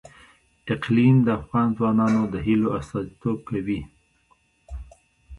اقلیم د افغان ځوانانو د هیلو استازیتوب کوي.